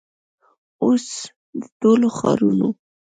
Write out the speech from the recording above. او س د ټولو ښارونو